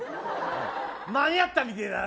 間に合ったみてえだな。